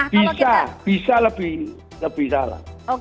bisa bisa lebih salah